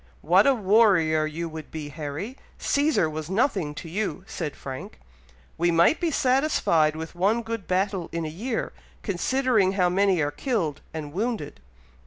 "What a warrior you would be, Harry! Cæsar was nothing to you," said Frank. "We might be satisfied with one good battle in a year, considering how many are killed and wounded."